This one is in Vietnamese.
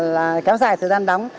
là kéo dài thời gian đóng